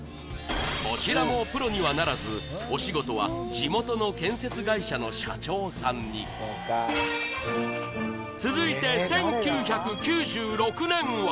こちらもプロにはならずお仕事は地元の建設会社の社長さんに続いて１９９６年は？